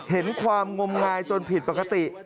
เห็นความงมงายจนผิดปกติ